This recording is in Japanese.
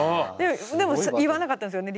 でも言わなかったんですよね